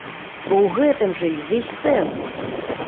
Бо ў гэтым жа і ўвесь сэнс!